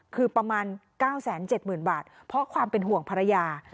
คือประมาณ๙๗๐๐๐บาทเพราะความเป็นห่วงภรรยา